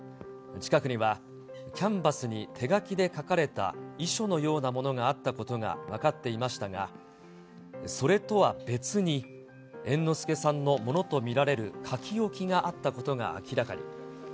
近くには、キャンバスに手書きで書かれた遺書のようなものがあったことが分かっていましたが、それとは別に、猿之助さんのものと見られる書き置きがあったことが明らかに。